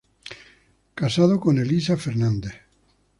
Casado con Elisa Fernández.